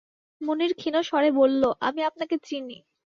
মুনির ক্ষীণ স্বরে বলল, আমি আপনাকে চিনি।